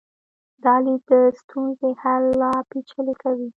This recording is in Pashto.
دا لید د ستونزې حل لا پیچلی کوي.